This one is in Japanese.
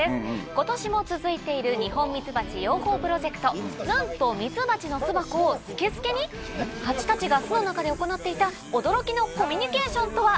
今年も続いているニホンミツバチ養蜂プロジェクトなんとミツバチの巣箱をスケスケに⁉ハチたちが巣の中で行っていた驚きのコミュニケーションとは？